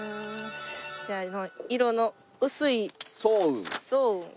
じゃあ色の薄い早雲から。